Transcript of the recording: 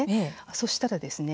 そしたらですね